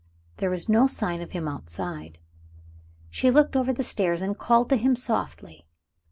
There was no sign of him outside. She looked over the stairs, and called to him softly.